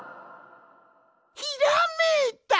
ひらめいた！